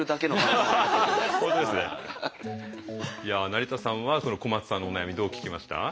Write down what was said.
いや成田さんはその小松さんのお悩みどう聞きました？